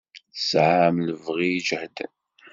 Tesɛam lebɣi ijehden.